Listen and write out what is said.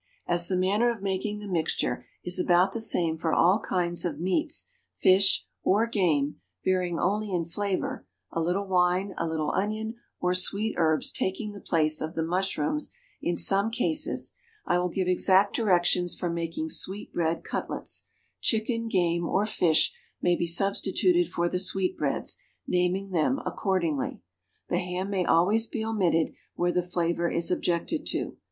As the manner of making the mixture is about the same for all kinds of meats, fish, or game, varying only in flavor a little wine, a little onion, or sweet herbs taking the place of the mushrooms in some cases I will give exact directions for making sweetbread cutlets; chicken, game, or fish may be substituted for the sweetbreads, naming them accordingly. The ham may always be omitted where the flavor is objected to.